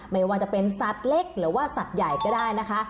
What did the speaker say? ไม่ว่าจะเป็นสัตว์เล็กหรือว่าสัตว์ใหญ่ก็ได้นะคะ